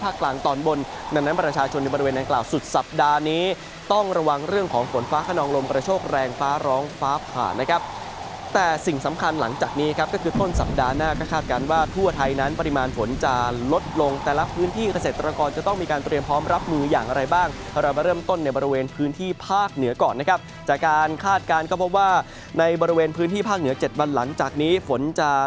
ประชกแรงฟ้าร้องฟ้าผ่านนะครับแต่สิ่งสำคัญหลังจากนี้ครับก็คือต้นสัปดาห์หน้าก็คาดการณ์ว่าทั่วไทยนั้นปริมาณฝนจะลดลงแต่ละพื้นที่เกษตรกรจะต้องมีการเตรียมพร้อมรับมืออย่างอะไรบ้างเราจะเริ่มต้นในบริเวณพื้นที่ภาคเหนือก่อนนะครับจากการคาดการณ์ก็พบว่าในบริเวณพื้นที่ภาคเห